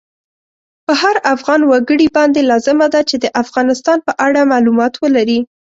په هر افغان وګړی باندی لازمه ده چی د افغانستان په اړه مالومات ولری